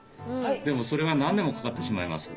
でもそれは何年もかかってしまいます。